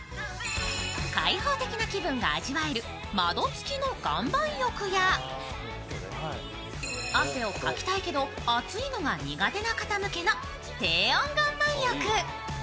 開放的な気分が味わえる窓付きの岩盤浴や汗をかきたいけど熱いのが苦手な方向けの低温岩盤浴。